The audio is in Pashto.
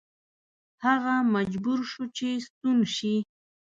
هغه مجبور شو چې ستون شي.